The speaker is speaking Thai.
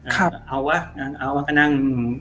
ครับเอาวะเอาวะก็นั่ง